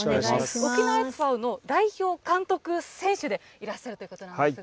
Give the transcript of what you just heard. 沖縄ＳＶの代表監督選手でいらっしゃるということなんですが。